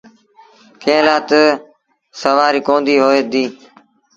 ڪݩهݩ لآ تا سُوآريٚ ڪونديٚ هوئي ديٚ۔